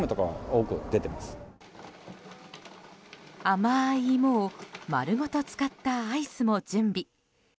甘い芋を丸ごと使ったアイスも準備。